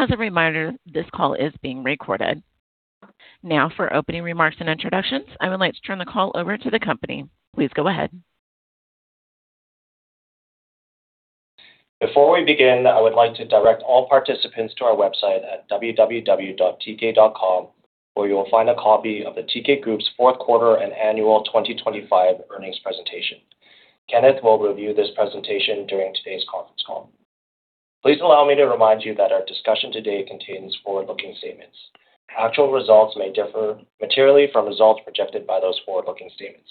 As a reminder, this call is being recorded. Now, for opening remarks and introductions, I would like to turn the call over to the company. Please go ahead. Before we begin, I would like to direct all participants to our website at www.teekay.com, where you will find a copy of the Teekay Group's fourth quarter and annual 2025 earnings presentation. Kenneth Hvid will review this presentation during today's conference call. Please allow me to remind you that our discussion today contains forward-looking statements. Actual results may differ materially from results projected by those forward-looking statements.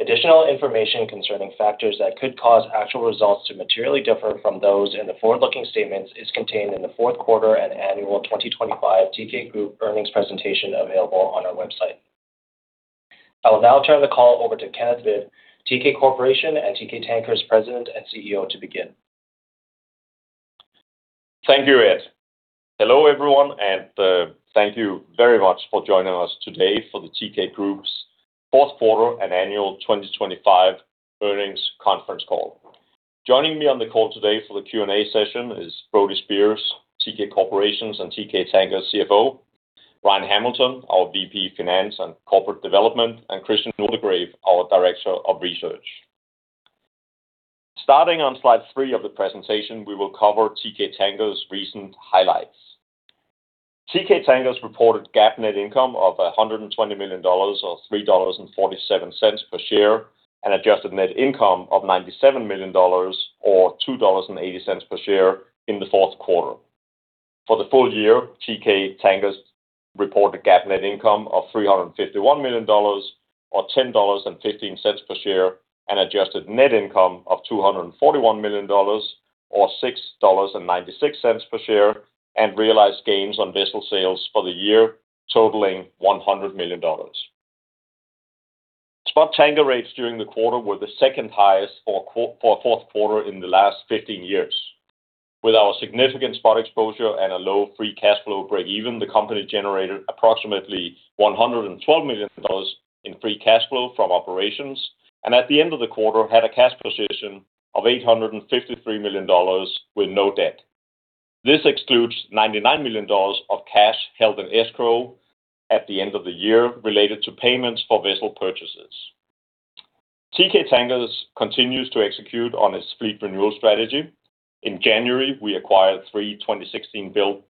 Additional information concerning factors that could cause actual results to materially differ from those in the forward-looking statements is contained in the fourth quarter and annual 2025 Teekay Group earnings presentation available on our website. I will now turn the call over to Kenneth Hvid, Teekay Corporation and Teekay Tankers President and CEO, to begin. Thank you, Ed. Hello, everyone, and thank you very much for joining us today for the Teekay Group's fourth quarter and annual 2025 earnings conference call. Joining me on the call today for the Q&A session is Brody Speers, Teekay Corporation's and Teekay Tankers' CFO, Ryan Hamilton, our VP of Finance and Corporate Development, and Christian Waldegrave, our Director of Research. Starting on slide 3 of the presentation, we will cover Teekay Tankers' recent highlights. Teekay Tankers reported GAAP net income of $120 million, or $3.47 per share, and adjusted net income of $97 million, or $2.80 per share in the fourth quarter. For the full year, Teekay Tankers reported GAAP net income of $351 million, or $10.15 per share, and adjusted net income of $241 million, or $6.96 per share, and realized gains on vessel sales for the year, totaling $100 million. Spot tanker rates during the quarter were the second highest for a fourth quarter in the last 15 years. With our significant spot exposure and a low free cash flow break-even, the company generated approximately $112 million in free cash flow from operations, and at the end of the quarter, had a cash position of $853 million with no debt. This excludes $99 million of cash held in escrow at the end of the year related to payments for vessel purchases. Teekay Tankers continues to execute on its fleet renewal strategy. In January, we acquired 3 2016-built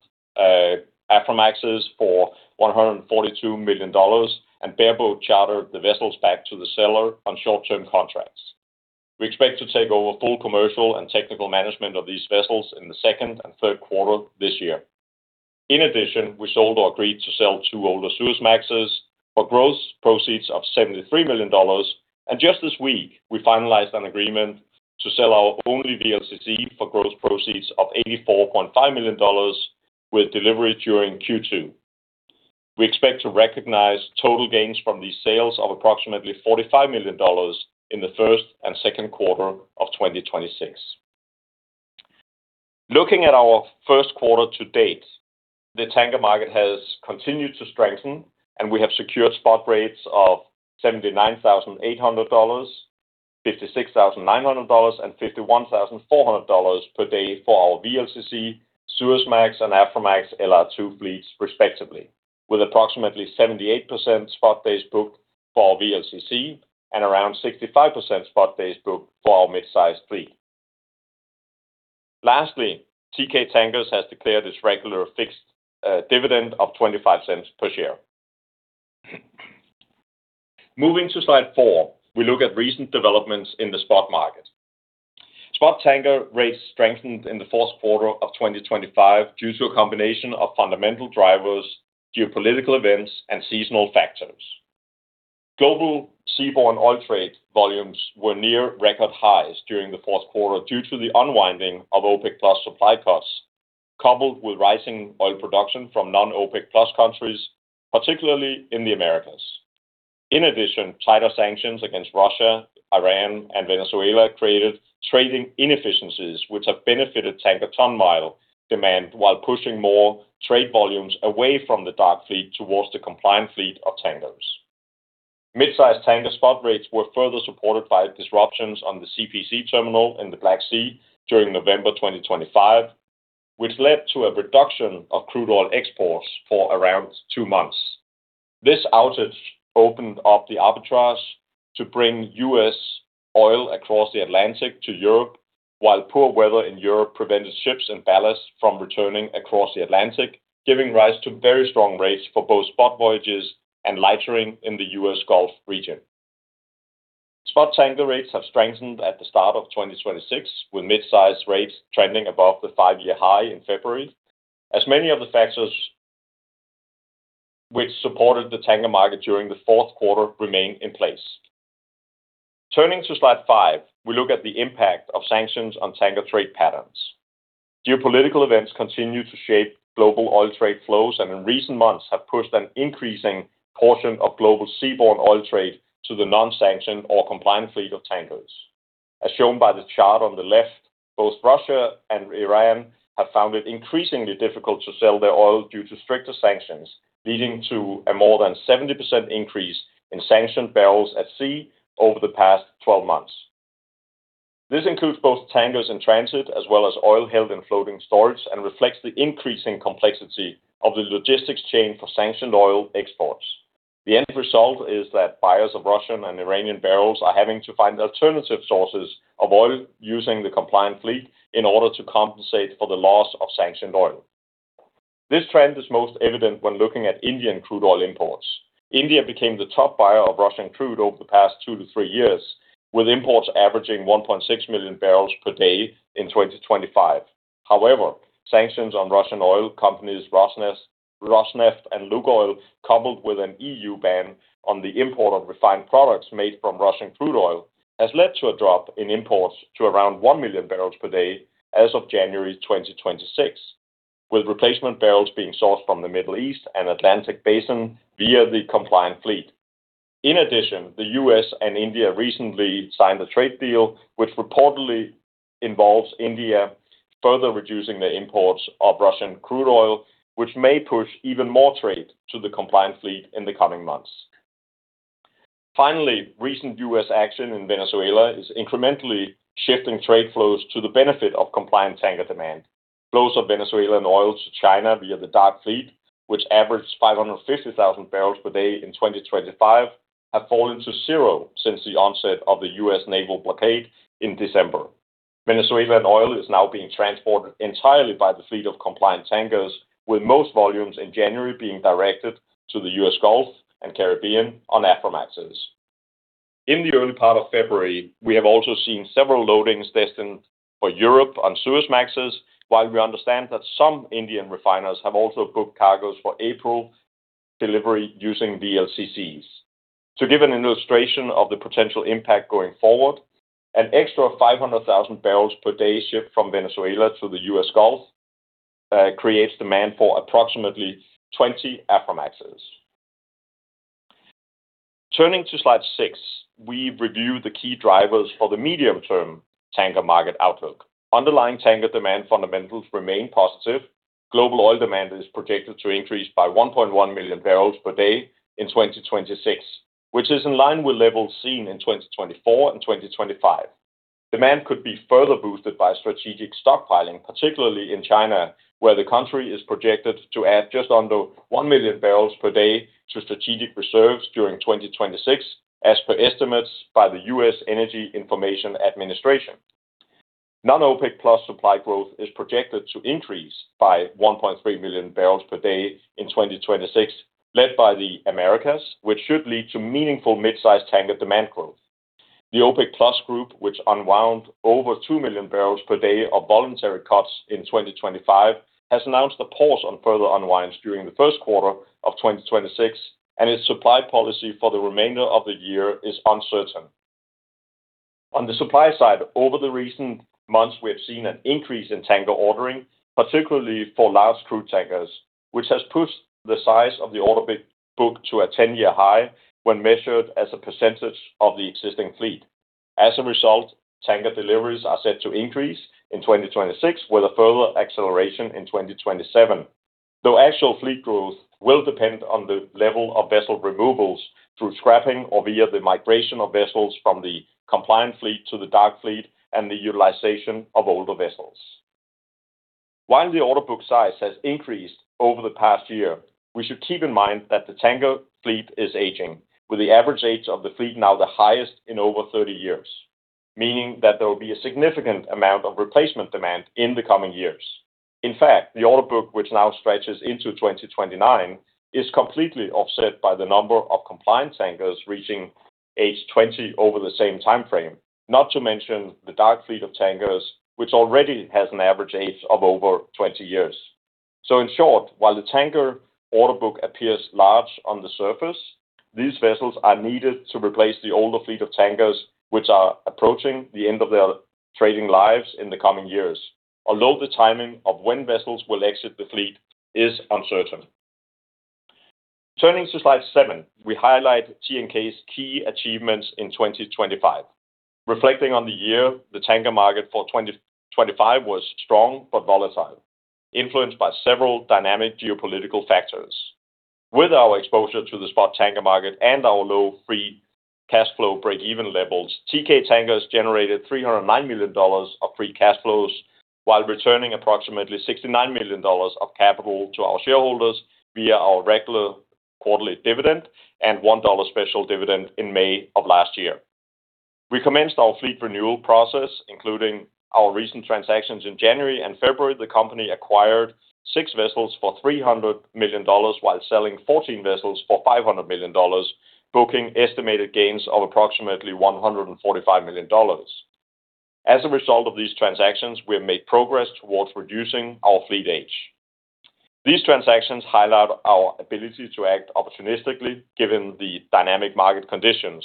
Aframaxes for $142 million and bareboat chartered the vessels back to the seller on short-term contracts. We expect to take over full commercial and technical management of these vessels in the second and third quarter this year. In addition, we sold or agreed to sell 2 older Suezmaxes for gross proceeds of $73 million, and just this week, we finalized an agreement to sell our only VLCC for gross proceeds of $84.5 million, with delivery during Q2. We expect to recognize total gains from these sales of approximately $45 million in the first and second quarter of 2026. Looking at our first quarter to date, the tanker market has continued to strengthen, and we have secured spot rates of $79,800, $56,900, and $51,400 per day for our VLCC, Suezmax, and Aframax LR2 fleets, respectively, with approximately 78% spot days booked for VLCC and around 65% spot days booked for our midsize fleet. Lastly, Teekay Tankers has declared its regular fixed dividend of $0.25 per share. Moving to slide four, we look at recent developments in the spot market. Spot tanker rates strengthened in the fourth quarter of 2025 due to a combination of fundamental drivers, geopolitical events, and seasonal factors. Global seaborne oil trade volumes were near record highs during the fourth quarter due to the unwinding of OPEC+ supply cuts, coupled with rising oil production from non-OPEC+ countries, particularly in the Americas. In addition, tighter sanctions against Russia, Iran, and Venezuela created trading inefficiencies, which have benefited tanker ton mile demand, while pushing more trade volumes away from the dark fleet towards the compliant fleet of tankers. Mid-size tanker spot rates were further supported by disruptions on the CPC terminal in the Black Sea during November 2025, which led to a reduction of crude oil exports for around 2 months. This outage opened up the arbitrage to bring U.S. oil across the Atlantic to Europe, while poor weather in Europe prevented ships in ballasts from returning across the Atlantic, giving rise to very strong rates for both spot voyages and lightering in the U.S. Gulf region. Spot tanker rates have strengthened at the start of 2026, with mid-size rates trending above the five-year high in February, as many of the factors which supported the tanker market during the fourth quarter remain in place. Turning to slide 5, we look at the impact of sanctions on tanker trade patterns. Geopolitical events continue to shape global oil trade flows, and in recent months have pushed an increasing portion of global seaborne oil trade to the non-sanctioned or compliant fleet of tankers. As shown by the chart on the left, both Russia and Iran have found it increasingly difficult to sell their oil due to stricter sanctions, leading to a more than 70% increase in sanctioned barrels at sea over the past 12 months. This includes both tankers in transit, as well as oil held in floating storage, and reflects the increasing complexity of the logistics chain for sanctioned oil exports. The end result is that buyers of Russian and Iranian barrels are having to find alternative sources of oil using the compliant fleet in order to compensate for the loss of sanctioned oil. This trend is most evident when looking at Indian crude oil imports. India became the top buyer of Russian crude over the past 2-3 years, with imports averaging 1.6 million barrels per day in 2025. However, sanctions on Russian oil companies, Rosneft and Lukoil, coupled with an EU ban on the import of refined products made from Russian crude oil, has led to a drop in imports to around 1 million barrels per day as of January 2026, with replacement barrels being sourced from the Middle East and Atlantic Basin via the compliant fleet. In addition, the US and India recently signed a trade deal, which reportedly involves India further reducing their imports of Russian crude oil, which may push even more trade to the compliant fleet in the coming months. Finally, recent US action in Venezuela is incrementally shifting trade flows to the benefit of compliant tanker demand. Flows of Venezuelan oil to China via the dark fleet, which averaged 550,000 barrels per day in 2025, have fallen to zero since the onset of the U.S. naval blockade in December. Venezuelan oil is now being transported entirely by the fleet of compliant tankers, with most volumes in January being directed to the U.S. Gulf and Caribbean on Aframaxes. In the early part of February, we have also seen several loadings destined for Europe on Suezmaxes, while we understand that some Indian refiners have also booked cargos for April delivery using VLCCs. To give an illustration of the potential impact going forward, an extra 500,000 barrels per day shipped from Venezuela to the U.S. Gulf creates demand for approximately 20 Aframaxes. Turning to slide 6, we review the key drivers for the medium-term tanker market outlook. Underlying tanker demand fundamentals remain positive. Global oil demand is projected to increase by 1.1 million barrels per day in 2026, which is in line with levels seen in 2024 and 2025. Demand could be further boosted by strategic stockpiling, particularly in China, where the country is projected to add just under 1 million barrels per day to strategic reserves during 2026, as per estimates by the U.S. Energy Information Administration. Non-OPEC+ supply growth is projected to increase by 1.3 million barrels per day in 2026, led by the Americas, which should lead to meaningful mid-size tanker demand growth. The OPEC+ group, which unwound over 2 million barrels per day of voluntary cuts in 2025, has announced a pause on further unwinds during the first quarter of 2026, and its supply policy for the remainder of the year is uncertain. On the supply side, over the recent months, we have seen an increase in tanker ordering, particularly for large crude tankers, which has pushed the size of the order book to a 10-year high when measured as a percentage of the existing fleet. As a result, tanker deliveries are set to increase in 2026, with a further acceleration in 2027, though actual fleet growth will depend on the level of vessel removals through scrapping or via the migration of vessels from the compliant fleet to the dark fleet and the utilization of older vessels. While the order book size has increased over the past year, we should keep in mind that the tanker fleet is aging, with the average age of the fleet now the highest in over 30 years, meaning that there will be a significant amount of replacement demand in the coming years. In fact, the order book, which now stretches into 2029, is completely offset by the number of compliant tankers reaching age 20 over the same time frame. Not to mention the dark fleet of tankers, which already has an average age of over 20 years. So in short, while the tanker order book appears large on the surface, these vessels are needed to replace the older fleet of tankers, which are approaching the end of their trading lives in the coming years, although the timing of when vessels will exit the fleet is uncertain. Turning to slide 7, we highlight TNK's key achievements in 2025. Reflecting on the year, the tanker market for 2025 was strong but volatile, influenced by several dynamic geopolitical factors. With our exposure to the spot tanker market and our low free cash flow break-even levels, Teekay Tankers generated $309 million of free cash flows while returning approximately $69 million of capital to our shareholders via our regular quarterly dividend and $1 special dividend in May of last year. We commenced our fleet renewal process, including our recent transactions. In January and February, the company acquired 6 vessels for $300 million while selling 14 vessels for $500 million, booking estimated gains of approximately $145 million. As a result of these transactions, we have made progress towards reducing our fleet age. These transactions highlight our ability to act opportunistically, given the dynamic market conditions.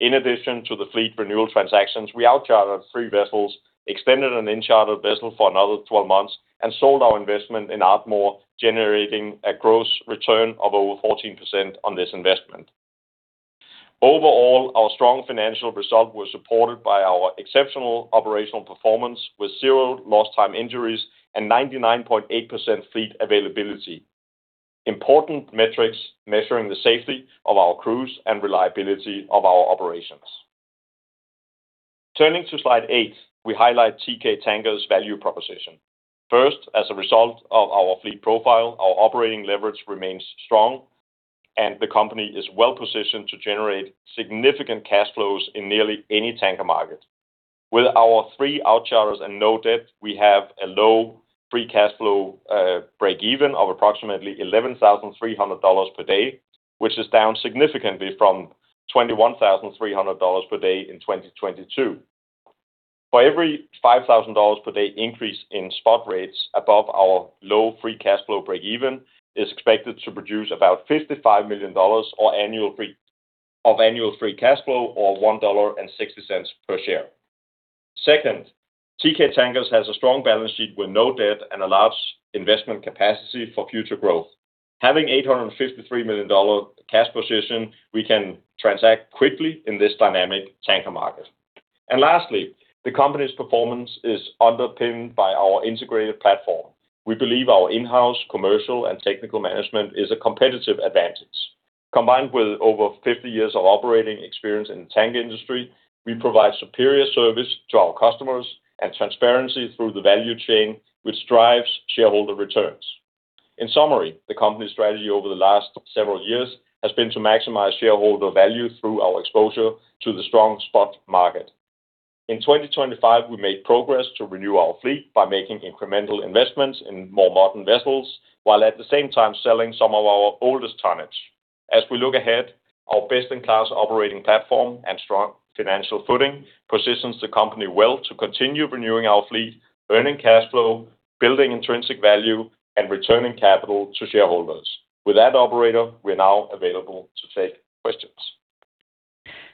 In addition to the fleet renewal transactions, we out-chartered 3 vessels, extended an in-chartered vessel for another 12 months, and sold our investment in Ardmore, generating a gross return of over 14% on this investment. Overall, our strong financial result was supported by our exceptional operational performance, with 0 lost time injuries and 99.8% fleet availability, important metrics measuring the safety of our crews and reliability of our operations. Turning to slide 8, we highlight Teekay Tankers' value proposition. First, as a result of our fleet profile, our operating leverage remains strong, and the company is well-positioned to generate significant cash flows in nearly any tanker market. With our three out-charters and no debt, we have a low free cash flow break-even of approximately $11,300 per day, which is down significantly from $21,300 per day in 2022. For every $5,000 per day increase in spot rates above our low free cash flow break-even, is expected to produce about $55 million of annual free cash flow or $1.60 per share. Second, Teekay Tankers has a strong balance sheet with no debt and a large investment capacity for future growth. Having $853 million cash position, we can transact quickly in this dynamic tanker market. Lastly, the company's performance is underpinned by our integrated platform. We believe our in-house commercial and technical management is a competitive advantage. Combined with over 50 years of operating experience in the tanker industry, we provide superior service to our customers and transparency through the value chain, which drives shareholder returns. In summary, the company's strategy over the last several years has been to maximize shareholder value through our exposure to the strong spot market. In 2025, we made progress to renew our fleet by making incremental investments in more modern vessels, while at the same time selling some of our oldest tonnage. As we look ahead, our best-in-class operating platform and strong financial footing positions the company well to continue renewing our fleet, earning cash flow, building intrinsic value, and returning capital to shareholders. With that, operator, we're now available to take questions.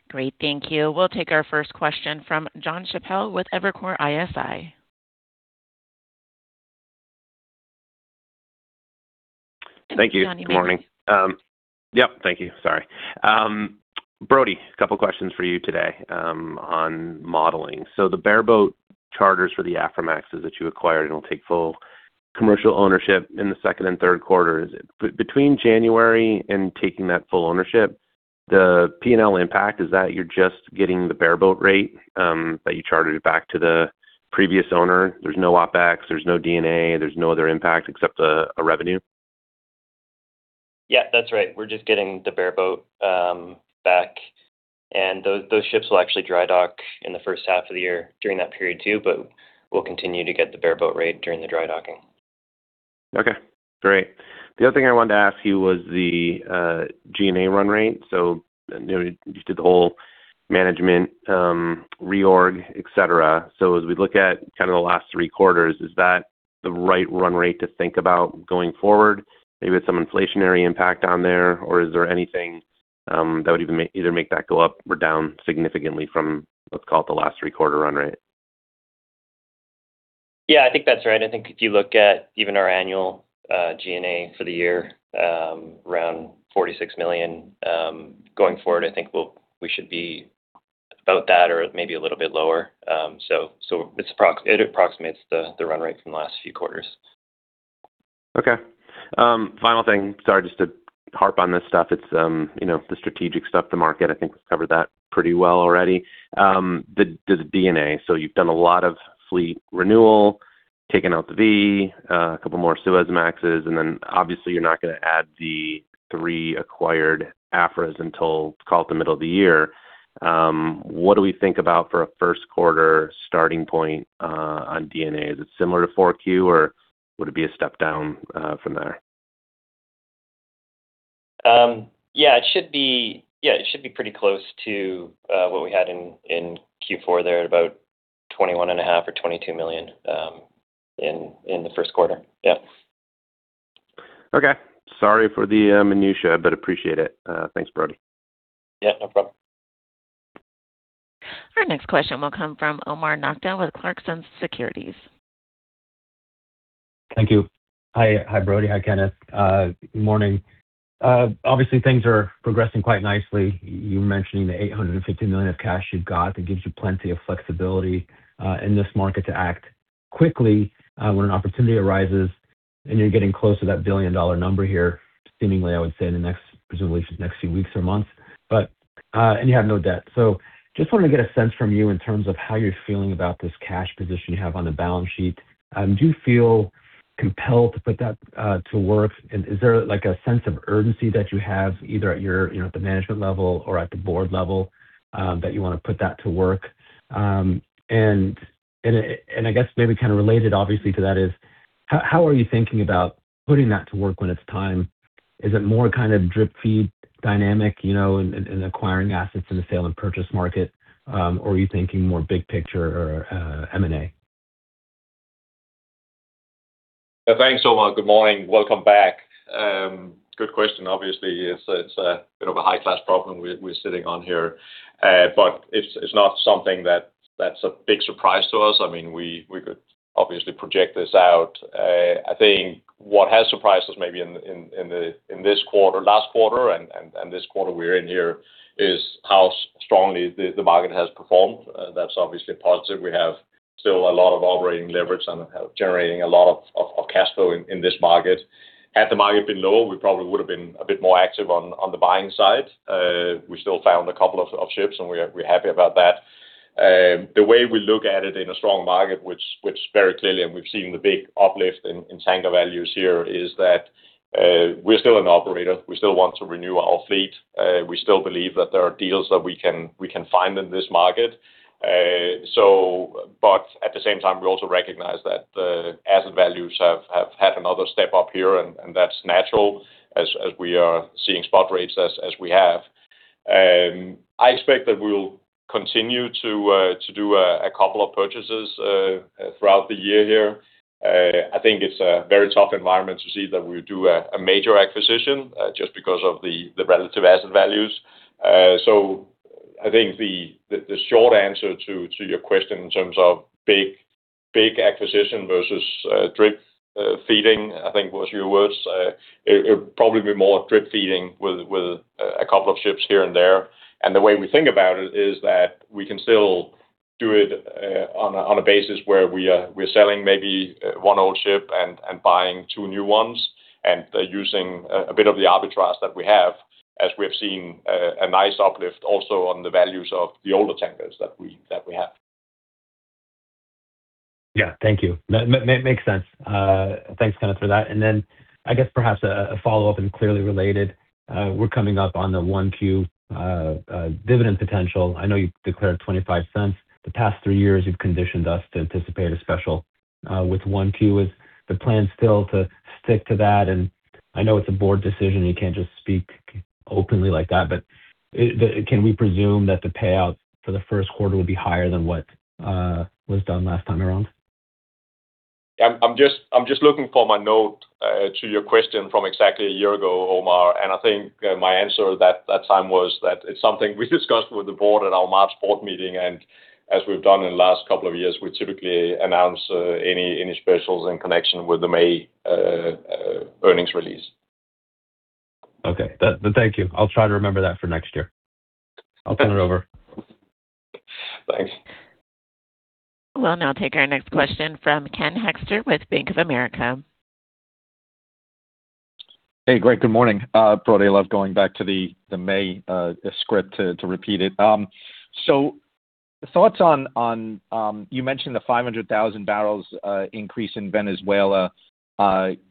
Great, thank you. We'll take our first question from Jonathan Chappell with Evercore ISI. Thank you. Good morning. Yep. Thank you. Sorry. Brody, a couple of questions for you today, on modeling. So the bareboat charters for the Aframaxes that you acquired, and we'll take full commercial ownership in the second and third quarter. Is it between January and taking that full ownership, the P&L impact is that you're just getting the bareboat rate, that you chartered it back to the previous owner? There's no OpEx, there's no D&A, there's no other impact except the revenue? Yeah, that's right. We're just getting the bareboat back, and those ships will actually dry dock in the first half of the year during that period, too, but we'll continue to get the bareboat rate during the dry docking. Okay, great. The other thing I wanted to ask you was the G&A run rate. So, you know, you did the whole management reorg, et cetera. So as we look at kind of the last three quarters, is that the right run rate to think about going forward? Maybe with some inflationary impact on there, or is there anything that would even make either make that go up or down significantly from, let's call it, the last three-quarter run rate? Yeah, I think that's right. I think if you look at even our annual G&A for the year, around $46 million, going forward, I think we should be about that or maybe a little bit lower. So, it approximates the run rate from the last few quarters. Okay. Final thing, sorry, just to harp on this stuff. It's, you know, the strategic stuff, the market, I think we've covered that pretty well already. The D&A. So you've done a lot of fleet renewal, taking out the V, a couple more Suezmaxes, and then obviously, you're not gonna add the three acquired Aframaxes until, call it, the middle of the year. What do we think about for a first quarter starting point, on D&A? Is it similar to 4Q, or would it be a step down, from there? Yeah, it should be pretty close to what we had in Q4 there, at about $21.5 million-$22 million in the first quarter. Yeah. Okay. Sorry for the minutiae, but appreciate it. Thanks, Brody. Yeah, no problem. Our next question will come from Omar Nokta with Clarksons Securities. Thank you. Hi. Hi, Brody. Hi, Kenneth. Good morning. Obviously, things are progressing quite nicely. You mentioned the $850 million of cash you've got, that gives you plenty of flexibility in this market to act quickly when an opportunity arises, and you're getting close to that $1 billion number here, seemingly, I would say, in the next, presumably, next few weeks or months. But, and you have no debt. So just wanted to get a sense from you in terms of how you're feeling about this cash position you have on the balance sheet. Do you feel compelled to put that to work? And is there, like, a sense of urgency that you have, either at your, you know, at the management level or at the board level, that you want to put that to work? And I guess maybe kind of related, obviously, to that is: How are you thinking about putting that to work when it's time? Is it more kind of drip-feed dynamic, you know, in acquiring assets in the sale and purchase market, or are you thinking more big picture or M&A? Thanks, Omar. Good morning. Welcome back. Good question, obviously. It's a bit of a high-class problem we're sitting on here, but it's not something that's a big surprise to us. I mean, we could obviously project this out. I think what has surprised us maybe in this quarter, last quarter and this quarter we're in here, is how strongly the market has performed. That's obviously positive. Still a lot of operating leverage and generating a lot of cash flow in this market. Had the market been lower, we probably would have been a bit more active on the buying side. We still found a couple of ships, and we're happy about that. The way we look at it in a strong market, which very clearly, and we've seen the big uplift in tanker values here, is that we're still an operator. We still want to renew our fleet. We still believe that there are deals that we can find in this market. But at the same time, we also recognize that the asset values have had another step up here, and that's natural as we are seeing spot rates as we have. I expect that we'll continue to do a couple of purchases throughout the year here. I think it's a very tough environment to see that we do a major acquisition just because of the relative asset values. So I think the short answer to your question in terms of big acquisition versus drip-feeding, I think was your words, it would probably be more drip-feeding with a couple of ships here and there. The way we think about it is that we can still do it on a basis where we're selling maybe one old ship and buying two new ones, and using a bit of the arbitrage that we have, as we have seen a nice uplift also on the values of the older tankers that we have. Yeah. Thank you. Makes sense. Thanks, Kenneth, for that. And then I guess perhaps a follow-up and clearly related. We're coming up on the 1Q dividend potential. I know you've declared $0.25. The past three years, you've conditioned us to anticipate a special with 1Q. Is the plan still to stick to that? And I know it's a board decision, you can't just speak openly like that, but can we presume that the payout for the first quarter will be higher than what was done last time around? I'm just looking for my note to your question from exactly a year ago, Omar, and I think my answer that time was that it's something we discussed with the board at our March board meeting, and as we've done in the last couple of years, we typically announce any specials in connection with the May earnings release. Okay. Then, thank you. I'll try to remember that for next year. I'll turn it over. Thanks. We'll now take our next question from Ken Hoexter with Bank of America. Hey, Greg. Good morning. Probably I love going back to the, the May script to, to repeat it. So thoughts on, on, you mentioned the 500,000 barrels increase in Venezuela,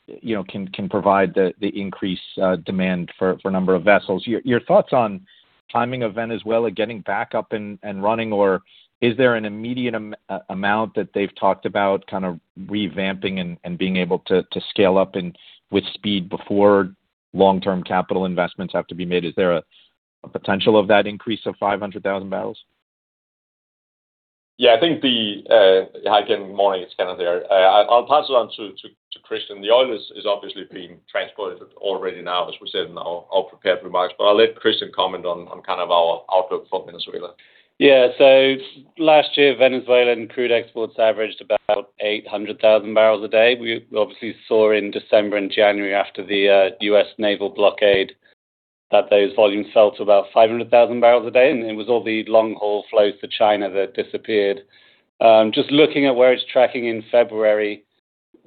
you know, can provide the increased demand for a number of vessels. Your thoughts on timing of Venezuela getting back up and running, or is there an immediate amount that they've talked about kind of revamping and being able to scale up and with speed before long-term capital investments have to be made? Is there a potential of that increase of 500,000 barrels? Yeah, I think, hi, Ken. Morning. It's Kenneth here. I'll pass it on to Christian. The oil is obviously being transported already now, as we said in our prepared remarks, but I'll let Christian comment on kind of our outlook for Venezuela. Yeah. So last year, Venezuelan crude exports averaged about 800,000 barrels a day. We obviously saw in December and January, after the U.S. naval blockade, that those volumes fell to about 500,000 barrels a day, and it was all the long-haul flows to China that disappeared. Just looking at where it's tracking in February,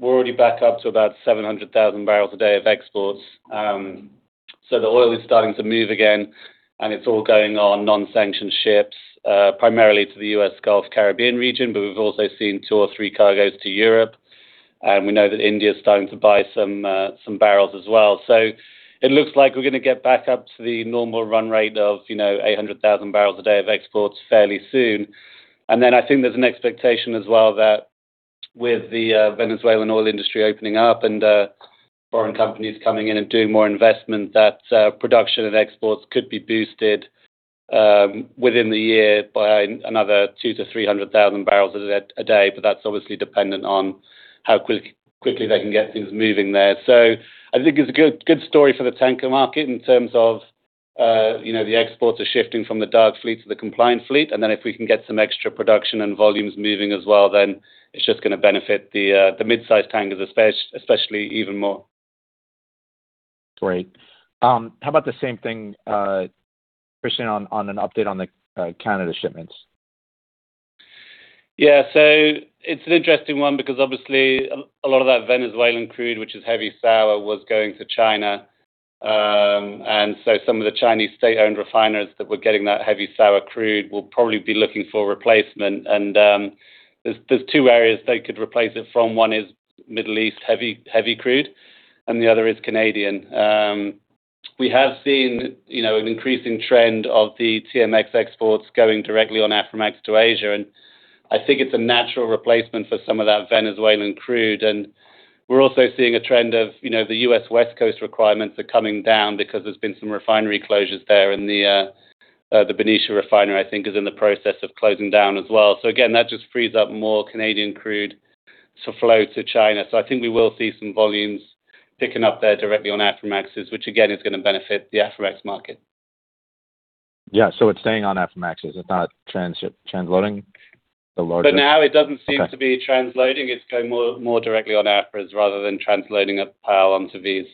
we're already back up to about 700,000 barrels a day of exports. So the oil is starting to move again, and it's all going on non-sanctioned ships, primarily to the U.S. Gulf Caribbean region, but we've also seen 2 or 3 cargos to Europe, and we know that India is starting to buy some some barrels as well. So it looks like we're gonna get back up to the normal run rate of, you know, 800,000 barrels a day of exports fairly soon. And then I think there's an expectation as well that with the, Venezuelan oil industry opening up and, foreign companies coming in and doing more investment, that production and exports could be boosted, within the year by another 200,000-300,000 barrels a day, but that's obviously dependent on how quickly they can get things moving there. So I think it's a good, good story for the tanker market in terms of, you know, the exports are shifting from the dark fleet to the compliant fleet, and then if we can get some extra production and volumes moving as well, then it's just gonna benefit the the mid-sized tankers, especially even more. Great. How about the same thing, Christian, on an update on the Canada shipments? Yeah. So it's an interesting one because obviously a lot of that Venezuelan crude, which is heavy sour, was going to China, and so some of the Chinese state-owned refiners that were getting that heavy sour crude will probably be looking for replacement, and there's two areas they could replace it from. One is Middle East heavy crude, and the other is Canadian. We have seen, you know, an increasing trend of the TMX exports going directly on Aframax to Asia, and I think it's a natural replacement for some of that Venezuelan crude. And we're also seeing a trend of, you know, the U.S. West Coast requirements are coming down because there's been some refinery closures there, and the Benicia Refinery, I think, is in the process of closing down as well. So again, that just frees up more Canadian crude to flow to China. So I think we will see some volumes picking up there directly on Aframaxes, which again, is gonna benefit the Aframax market. Yeah. So it's staying on Aframaxes, it's not transloading the larger- For now, it doesn't seem- Okay... to be transloading. It's going more directly on Afras rather than transloading a pile onto these.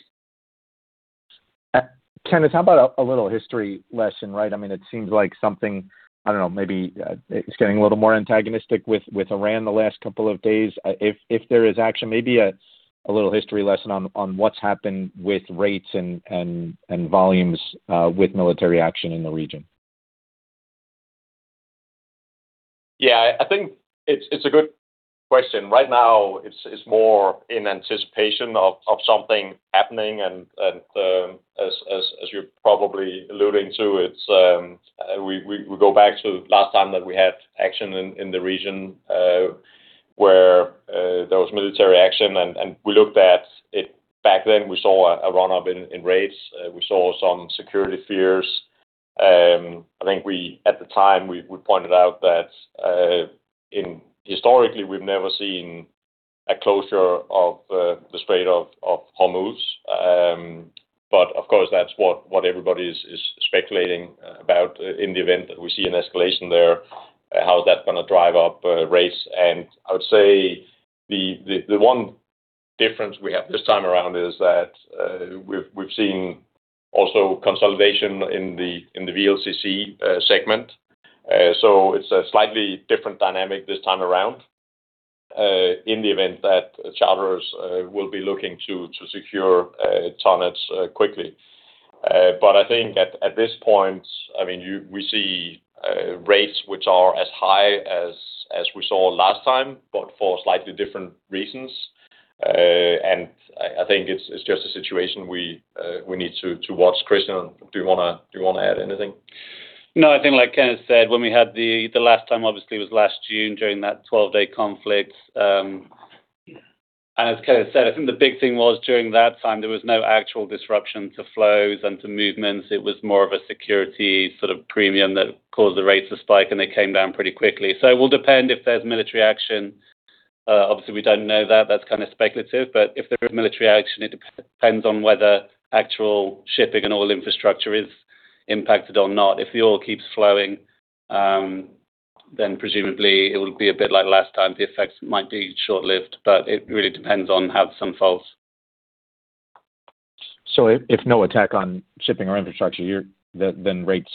Kenneth, how about a little history lesson, right? I mean, it seems like something, I don't know, maybe it's getting a little more antagonistic with Iran the last couple of days. If there is action, maybe a little history lesson on what's happened with rates and volumes with military action in the region. Yeah, I think it's a good question. Right now, it's more in anticipation of something happening. And as you're probably alluding to, we go back to last time that we had action in the region where there was military action, and we looked at it. Back then, we saw a run-up in rates, we saw some security fears. I think we at the time, we pointed out that historically, we've never seen a closure of the Strait of Hormuz. But of course, that's what everybody is speculating about in the event that we see an escalation there, how is that going to drive up rates? I would say the one difference we have this time around is that we've seen also consolidation in the VLCC segment. So it's a slightly different dynamic this time around, in the event that charters will be looking to secure tonnages quickly. But I think at this point, I mean, we see rates which are as high as we saw last time, but for slightly different reasons. And I think it's just a situation we need to watch. Christian, do you wanna add anything? No, I think like Kenneth said, the last time, obviously, was last June during that 12-day conflict. As Kenneth said, I think the big thing was during that time, there was no actual disruption to flows and to movements. It was more of a security sort of premium that caused the rates to spike, and they came down pretty quickly. So it will depend if there's military action. Obviously, we don't know that. That's kind of speculative, but if there is military action, it depends on whether actual shipping and oil infrastructure is impacted or not. If the oil keeps flowing, then presumably it will be a bit like last time. The effects might be short-lived, but it really depends on how it falls. So if no attack on shipping or infrastructure, then rates...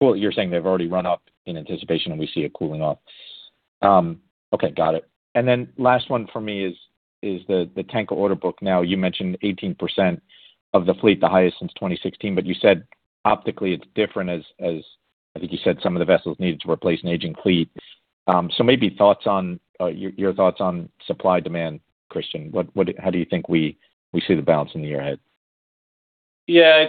Well, you're saying they've already run up in anticipation, and we see it cooling off. Okay, got it. And then last one for me is the tanker order book. Now, you mentioned 18% of the fleet, the highest since 2016, but you said optically it's different as I think you said, some of the vessels needed to replace an aging fleet. So maybe thoughts on your thoughts on supply-demand, Christian. What, how do you think we see the balance in the year ahead? Yeah,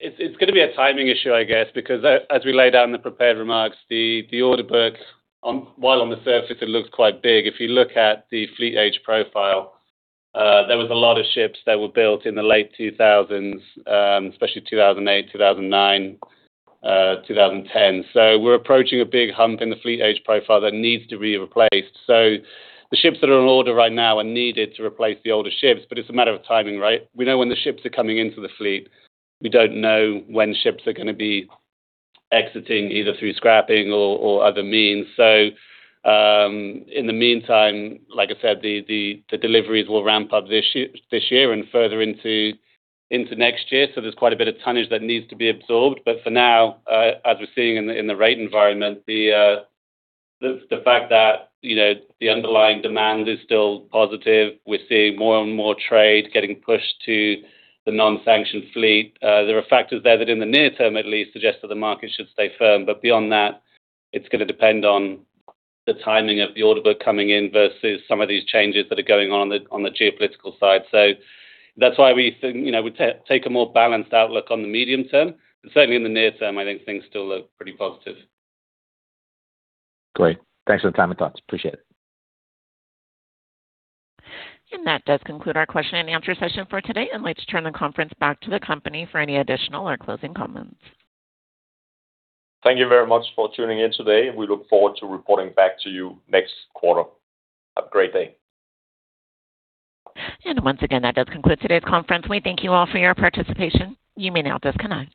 it's, it's gonna be a timing issue, I guess, because as we laid out in the prepared remarks, the order book, while on the surface it looks quite big, if you look at the fleet age profile, there was a lot of ships that were built in the late 2000s, especially 2008, 2009, 2010. So we're approaching a big hump in the fleet age profile that needs to be replaced. So the ships that are on order right now are needed to replace the older ships, but it's a matter of timing, right? We know when the ships are coming into the fleet. We don't know when ships are gonna be exiting, either through scrapping or other means. So, in the meantime, like I said, the deliveries will ramp up this year and further into next year, so there's quite a bit of tonnage that needs to be absorbed. But for now, as we're seeing in the rate environment, the fact that, you know, the underlying demand is still positive. We're seeing more and more trade getting pushed to the non-sanctioned fleet. There are factors there that, in the near term at least, suggest that the market should stay firm, but beyond that, it's gonna depend on the timing of the order book coming in versus some of these changes that are going on on the geopolitical side. So that's why we think, you know, we take a more balanced outlook on the medium term. Certainly, in the near term, I think things still look pretty positive. Great. Thanks for the time and thoughts. Appreciate it. That does conclude our question and answer session for today. I'd like to turn the conference back to the company for any additional or closing comments. Thank you very much for tuning in today, and we look forward to reporting back to you next quarter. Have a great day. Once again, that does conclude today's conference. We thank you all for your participation. You may now disconnect.